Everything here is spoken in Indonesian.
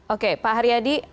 oke pak haryadi